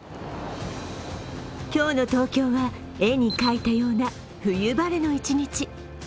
今日の東京は絵に描いたような冬晴れの一日。